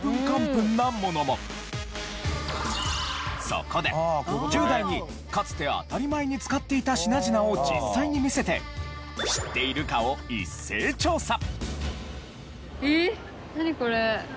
そこで１０代にかつて当たり前に使っていた品々を実際に見せて知っているかを一斉調査！